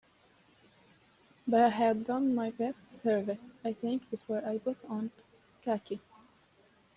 But I had done my best service, I think, before I put on khaki.